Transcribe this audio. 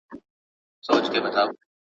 د هیچا د پوهېدلو او هضمولو وړ نه دي ,